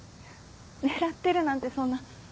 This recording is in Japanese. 狙ってるなんてそんな。